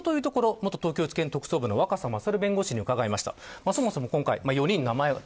元東京地検特捜部の若狭勝弁護士に伺いました。